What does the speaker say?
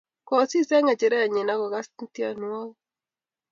kosis eng' ngecherenyi akokas tienwogik